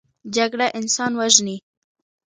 جګړه انسان وژني